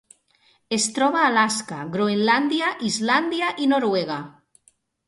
Es troba a Alaska, Groenlàndia, Islàndia i Noruega.